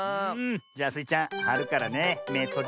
じゃあスイちゃんはるからねめとじててね。